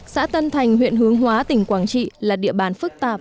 xã tân thành huyện hướng hóa tỉnh quảng trị là địa bàn phức tạp